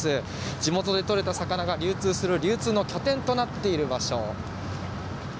地元で取れた魚が流通する流通の拠点となっている場所。